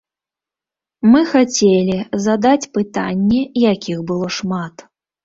Мы хацелі задаць пытанні, якіх было шмат.